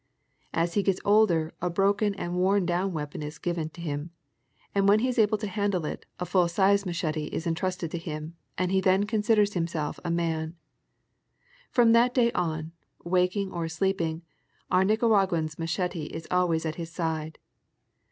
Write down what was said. As he gets older a broken or worn down weapon is given him, and when he is able to handle it, a full size machete is entrusted to him and he then considers himself a man. From that day on, waking or sleeping, our Nicaraguan's machete is always at his side.